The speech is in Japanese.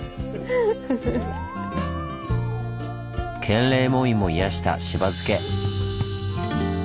建礼門院も癒やしたしば漬け。